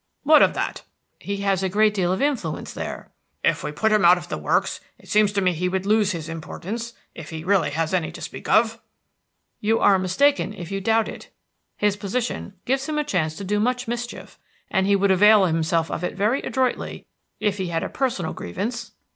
"What of that?" "He has a great deal of influence there." "If we put him out of the works it seems to me he would lose his importance, if he really has any to speak of." "You are mistaken if you doubt it. His position gives him a chance to do much mischief, and he would avail himself of it very adroitly, if he had a personal grievance."